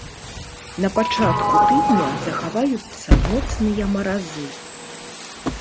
На пачатку тыдня захаваюцца моцныя маразы.